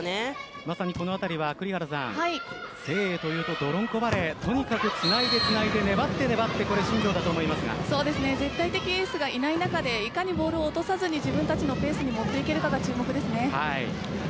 まさに、このあたりは誠英というと泥んこバレーとにかくつないで粘って粘って絶対的エースがいない中でいかにボールを落とさずに自分たちのペースを持っていけるかが注目です。